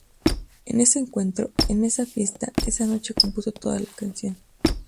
En ese encuentro, en esa fiesta, esa noche compuso todo la canción.